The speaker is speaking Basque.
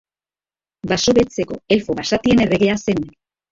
Baso Beltzeko elfo basatien erregea zen.